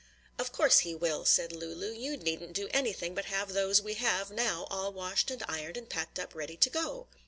"Of course he will," said Lulu. "You needn't do anything but have those we have now all washed and ironed and packed up ready to go."